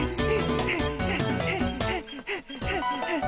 はあはあはあはあ。